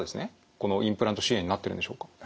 このインプラント周囲炎になっているんでしょうか。